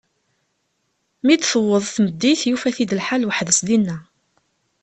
Mi d-tewweḍ tmeddit, yufa-t-id lḥal weḥd-s dinna.